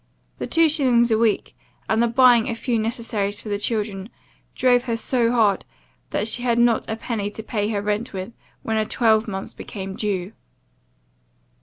This two shillings a week, and the buying a few necessaries for the children, drove her so hard, that she had not a penny to pay her rent with, when a twelvemonth's became due.